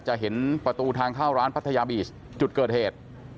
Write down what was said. จะเห็นประตูทางเข้าร้านพัทยาบีชจุดเกิดเหตุ